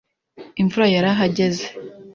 Imvura yarahagaze.